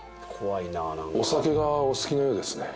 お酒がお好きのようですねはあ